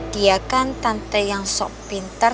dia kan tante yang sok pintar